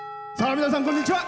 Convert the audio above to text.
皆さん、こんにちは。